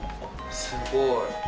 すごい。